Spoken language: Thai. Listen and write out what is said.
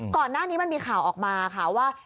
ก่อนหน้านี้มันมีข่าวออกมาค่ะว่า